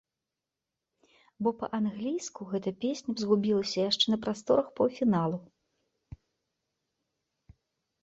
Бо па-англійску гэтая песня б згубілася яшчэ на прасторах паўфіналу.